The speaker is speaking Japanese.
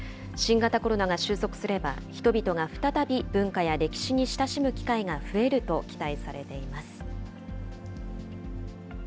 新型コロナが収束すれば、人々が再び文化や歴史に親しむ機会が増えると期待されています。